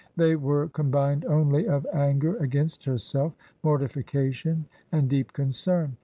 They were combined only of anger against herself, mortification, and deep concern.